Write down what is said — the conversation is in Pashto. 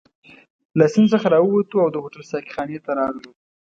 له سیند څخه راووتو او د هوټل ساقي خانې ته راغلو.